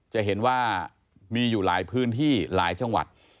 จะเห็นว่ามีอยู่หลายพื้นที่หลายจังหวัด